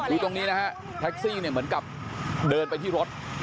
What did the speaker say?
ดูตรงนี้นะฮะแท็กซี่เนี่ยเหมือนกับเดินไปที่รถ